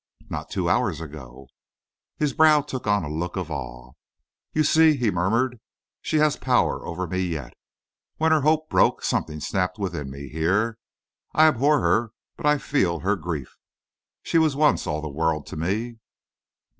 "Not two hours ago." His brow took on a look of awe. "You see," he murmured, "she has power over me yet. When her hope broke, something snapped within me here. I abhor her, but I feel her grief. She was once all the world to me."